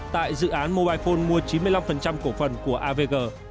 tại dự án mobile phone mua chín mươi năm cổ phần của avg